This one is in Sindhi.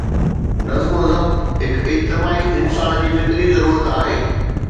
نظم و ضبط هڪ اجتماعي انسان جي فطري ضرورت آهي.